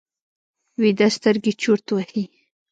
ویده سترګې چورت وهي